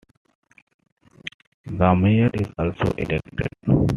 The mayor is also elected.